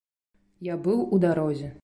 Я быў у дарозе.